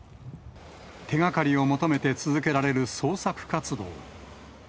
手がかりを求めて続けられる捜索活動。